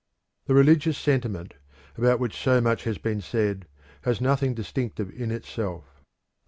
The religious sentiment, about which so much has been said, has nothing distinctive in itself.